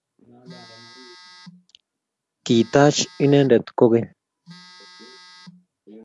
kitaach inendet kokeny